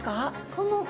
この子。